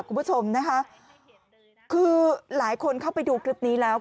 คุณผู้ชมนะคะคือหลายคนเข้าไปดูคลิปนี้แล้ว